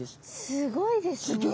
すごいですね。